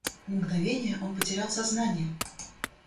На мгновение он потерял сознание.